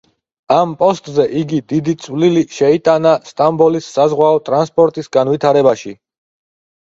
ამ პოსტზე იგი დიდი წვლილი შეიტანა სტამბოლის საზღვაო ტრანსპორტის განვითარებაში.